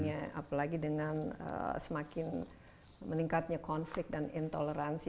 apalagi dengan semakin meningkatnya konflik dan intoleransi